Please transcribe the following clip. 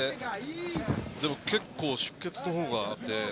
でも結構、出血があって。